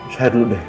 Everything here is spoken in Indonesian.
saya dulu deh